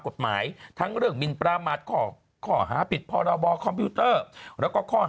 กฎหมายทั้งเรื่องมินประมาทข้อหาผิดพรบคอมพิวเตอร์แล้วก็ข้อหา